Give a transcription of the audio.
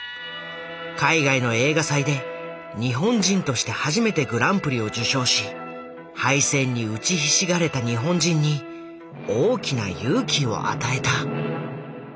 海外の映画祭で日本人として初めてグランプリを受賞し敗戦に打ちひしがれた日本人に大きな勇気を与えた。